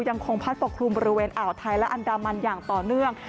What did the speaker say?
ยังคงพัดปกครุมบริเวณอ่าวไทยและอันดามันอย่างต่อเนื่อง